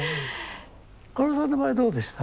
かおるさんの場合どうでした？